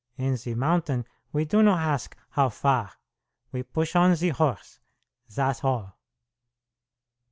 In the mountain we do no hask how far. We push on ze horse. Thass all."